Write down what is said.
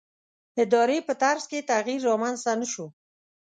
ادارې په طرز کې تغییر رامنځته نه شو.